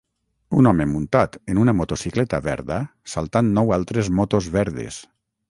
Un home muntat en una motocicleta verda saltant nou altres motos verdes.